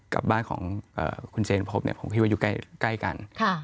กับบ้านของคุณเจนพบผมคิดว่าอยู่ใกล้กัน